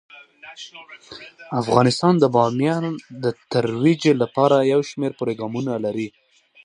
افغانستان د بامیان د ترویج لپاره یو شمیر پروګرامونه لري.